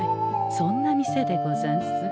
そんな店でござんす。